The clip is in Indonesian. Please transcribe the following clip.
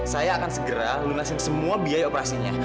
saya akan segera lunasin semua biaya operasinya